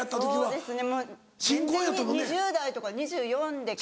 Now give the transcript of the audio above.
そうです